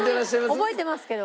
覚えてますけど。